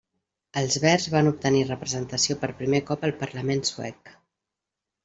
Els Verds van obtenir representació per primer cop al Parlament suec.